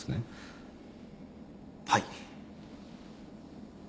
はい。